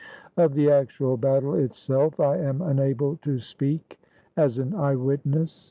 Of the actual battle itself I am unable to speak as an eyewitness.